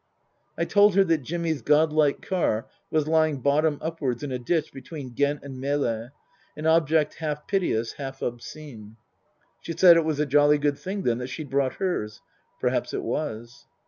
I told her that Jimmy's god like car was lying bottom upwards in a ditch between Ghent and Melle, an object half piteous, half obscene. She said it was a jolly good thing then that she'd brought hers. Perhaps it was.